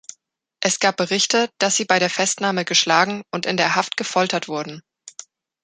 Es gab Berichte, dass sie bei der Festnahme geschlagen und in der Haft gefoltert wurden.